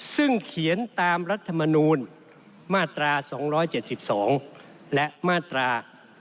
ซึ่งเขียนตามรัฐมนูลมาตรา๒๗๒และมาตรา